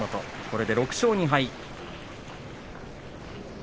これで６勝２敗。